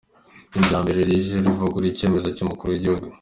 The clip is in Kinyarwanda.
Ni irya mbere rije rivuguruza icyemezo cy’Umukuru w’Igihugu.